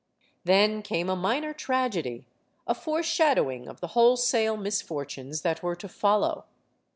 Then came a minor tragedy, a foreshadowing of the wholesale misfortunes that were to follow.